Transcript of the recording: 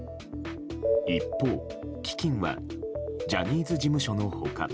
一方、基金はジャニーズ事務所の他